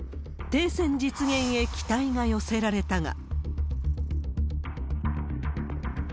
停戦実現へ期待が寄せられたが。